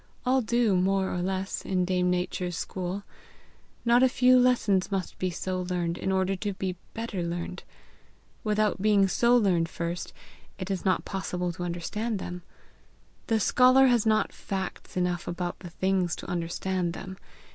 All do, more or less, in Dame Nature's school. Not a few lessons must be so learned in order to be better learned. Without being so learned first, it is not possible to understand them; the scholar has not facts enough about the things to understand them.